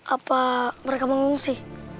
apa mereka mengungsi